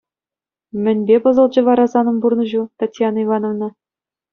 Мӗнпе пӑсӑлчӗ вара санӑн пурнӑҫу, Татьяна Ивановна?